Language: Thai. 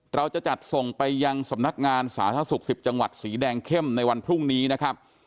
เราจะจัดส่งไปยังสำนักงานสาธารณสุข๑๐จังหวัดสีแดงเข้มในวันพรุ่งนี้นะครับ